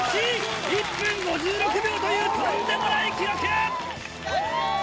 １分５６秒というとんでもない記録！